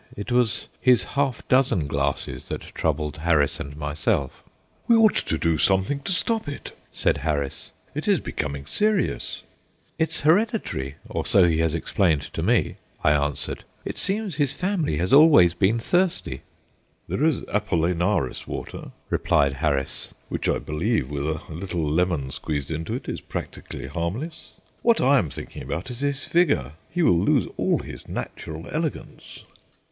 It was his half dozen glasses that troubled Harris and myself. "We ought to do something to stop it," said Harris; "it is becoming serious." "It's hereditary, so he has explained to me," I answered. "It seems his family have always been thirsty." "There is Apollinaris water," replied Harris, "which, I believe, with a little lemon squeezed into it, is practically harmless. What I am thinking about is his figure. He will lose all his natural elegance."